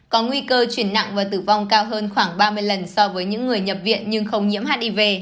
có nguy cơ chuyển nặng và tử vong cao hơn khoảng ba mươi lần so với những người nhập viện nhưng không nhiễm hiv